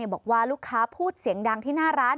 บอกว่าลูกค้าพูดเสียงดังที่หน้าร้าน